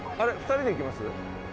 ２人で行きます？